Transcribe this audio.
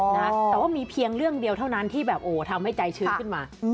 แต่ว่ามีเพียงเรื่องเดียวเท่านั้นที่แบบโอ้ทำให้ใจชื้นขึ้นมา